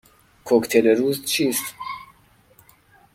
کوکتل روز چیست؟